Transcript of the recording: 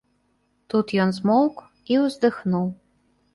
Тут ён змоўк і ўздыхнуў.